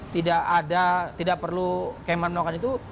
tidak ada tidak perlu kemhan nogan itu